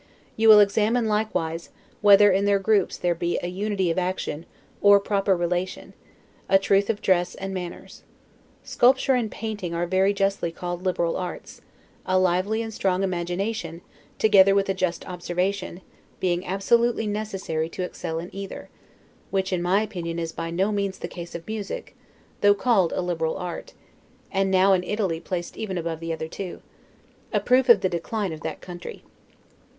You will examine, likewise, whether in their groups there be a unity of action, or proper relation; a truth of dress and manners. Sculpture and painting are very justly called liberal arts; a lively and strong imagination, together with a just observation, being absolutely necessary to excel in either; which, in my opinion, is by no means the case of music, though called a liberal art, and now in Italy placed even above the other two; a proof of the decline of that country.